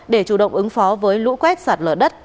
để chủ động ứng phó với lũ quét sạt lở đất